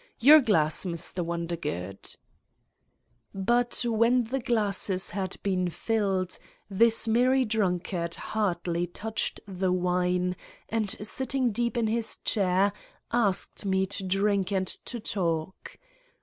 Your glass, Mr. Wondergood !" But when the glasses had been filled, this merry drunkard hardly touched the wine and sitting deep in his chair asked me to drink and to talk.